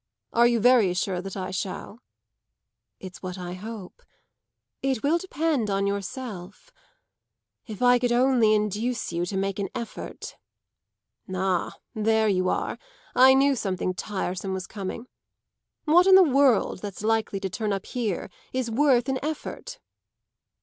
Are you very sure that I shall?" "It's what I hope. It will depend on yourself. If I could only induce you to make an effort!" "Ah, there you are! I knew something tiresome was coming. What in the world that's likely to turn up here is worth an effort?"